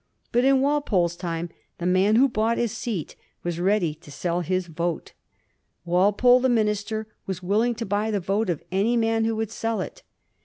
But in Walpole's time the man who bought his seat was ready to sell his vote. Walpole, the minister, was willing to buy the vote of any man who would sell it.